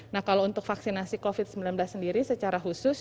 nah kalau untuk vaksinasi covid sembilan belas sendiri secara khusus